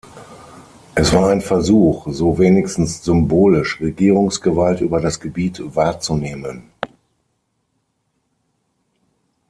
Es war ein Versuch, so wenigstens symbolisch Regierungsgewalt über das Gebiet wahrzunehmen.